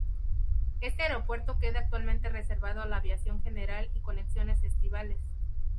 Este aeropuerto queda actualmente reservado a la aviación general y conexiones estivales.